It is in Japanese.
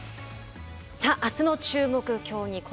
さあ、あすの注目競技